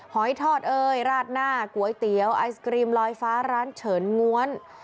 หอยทอดเอ้ยราดหน้าก๋วยเตี๋ยวไอศกรีมลอยฟ้าร้านเฉินง้วน